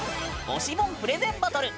「推し本プレゼンバトル」。